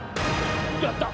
やった！